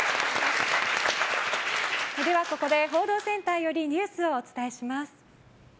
では、ここで報道センターよりニュースをお伝えします。